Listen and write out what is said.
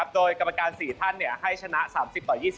โดยกรรมการ๔ท่านให้ชนะ๓๐ต่อ๒๐